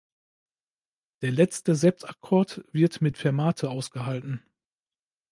Der letzte Septakkord wird mit Fermate ausgehalten.